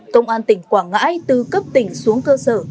công an tỉnh quảng ngãi từ cấp tỉnh xuống cơ sở